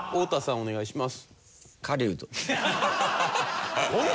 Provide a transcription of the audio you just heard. お願いします。